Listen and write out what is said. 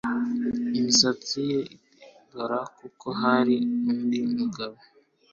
imisatsi ye igatendera, kuko hari undi mugabo